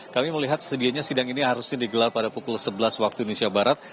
kami melihat sedianya sidang ini harusnya digelar pada pukul sebelas waktu indonesia barat